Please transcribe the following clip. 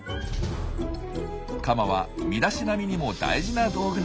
カマは身だしなみにも大事な道具なんですね。